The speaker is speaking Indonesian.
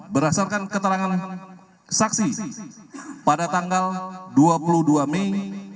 berdasarkan keterangan saksi pada tanggal dua puluh dua mei dua ribu dua puluh empat